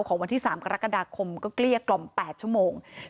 วันที่๓กรกฎาคมก็เกลี้ยกล่อม๘ชั่วโมง